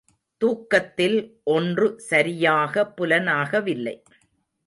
தூக்கத்தில் ஒன்று சரியாக புலனாகவில்லை.